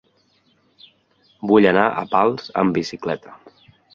Vull anar a Pals amb bicicleta.